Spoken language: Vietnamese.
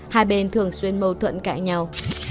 hai bên thường xuyên mâu thuẫn cãi nhau